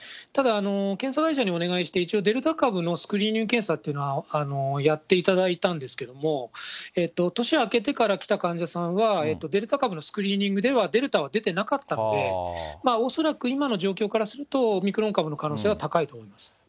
ただ、検査会社にお願いして、一応、デルタ株のスクリーニング検査というのはやっていただいたんですけども、年明けてから来た患者さんは、デルタ株のスクリーニングでは、デルタは出てなかったので、恐らく今の状況からすると、オミクロン株の可能性は高いと思います。